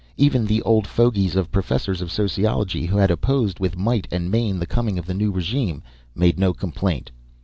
Even the old fogies of professors of sociology, who had opposed with might and main the coming of the new regime, made no complaint.